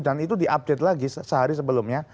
dan itu diupdate lagi sehari sebelumnya